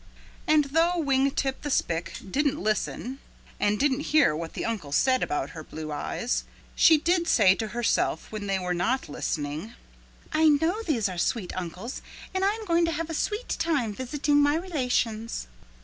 And though Wing Tip the Spick didn't listen and didn't hear what the uncles said about her blue eyes, she did say to herself when they were not listening, "I know these are sweet uncles and I am going to have a sweet time visiting my relations."